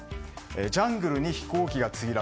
ジャングルに飛行機が墜落。